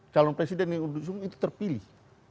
calon presiden yang diusung itu terpilih